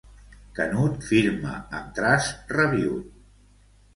Canut firma amb traç rabiüt.